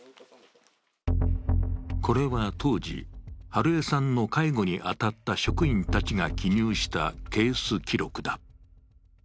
これは当時、美枝さんの介護に当たった職員たちが記入したケース記録だ。